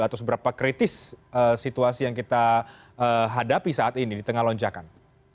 atau seberapa kritis situasi yang kita hadapi saat ini di tengah lonjakan